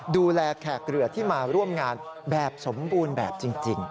แขกเรือที่มาร่วมงานแบบสมบูรณ์แบบจริง